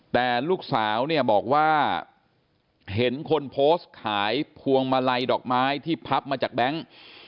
แต่ลูกสาวเนี่ยบอกว่าเห็นคนโพสต์ขายพวงมาลัยดอกไม้ที่พับมาจากแบงค์